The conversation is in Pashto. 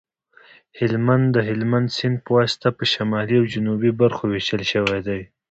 هلمند د هلمند سیند په واسطه په شمالي او جنوبي برخو ویشل شوی دی